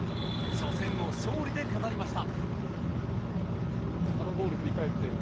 初戦を勝利で飾りました。